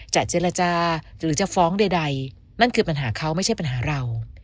จะเจรจาหรือจะฟ้องใดนั่นคือปัญหาเขาไม่ใช่ปัญหาเรา